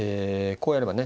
こうやればね